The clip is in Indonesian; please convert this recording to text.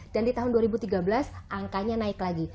dan di tahun dua ribu tiga belas angkanya naik lagi